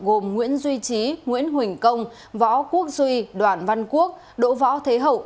gồm nguyễn duy trí nguyễn huỳnh công võ quốc duy đoàn văn quốc đỗ võ thế hậu